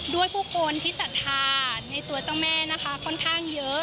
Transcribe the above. ผู้คนที่ศรัทธาในตัวเจ้าแม่นะคะค่อนข้างเยอะ